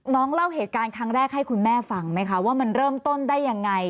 น้องเล่าเหตุการณ์ให้คุณแม่ฟังไหมคะว่ามันเริ่มต้นได้ยังไง